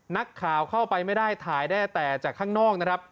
นักข่าวเข้าไปไม่ได้ถ่ายได้แต่จากข้างนอกนะครับ